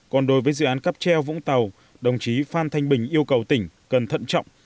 còn đối với dự án cắp treo vũng tàu đồng chí phan thanh bình yêu cầu tỉnh cần thận trọng